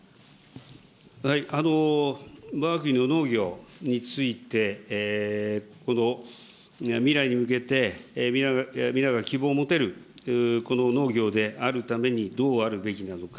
わが国の農業について、この未来に向けて、皆が希望を持てるこの農業であるためにどうあるべきなのか。